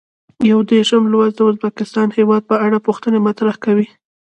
یو دېرشم لوست د ازبکستان هېواد په اړه پوښتنې مطرح کوي.